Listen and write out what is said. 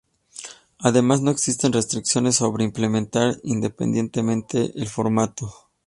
Además, no existen restricciones sobre implementar independientemente el formato.